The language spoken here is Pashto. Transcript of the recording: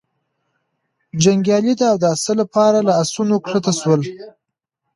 جنګيالي د اوداسه له پاره له آسونو کښته شول.